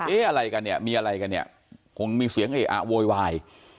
อะไรกันเนี่ยมีอะไรกันเนี่ยคงมีเสียงเออะโวยวาย